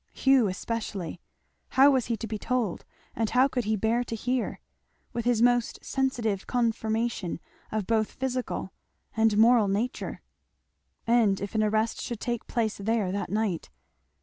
Hugh especially, how was he to be told, and how could he bear to hear? with his most sensitive conformation of both physical and moral nature. And if an arrest should take place there that night!